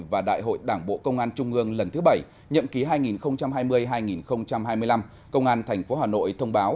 và đại hội đảng bộ công an trung ương lần thứ bảy nhậm ký hai nghìn hai mươi hai nghìn hai mươi năm công an tp hà nội thông báo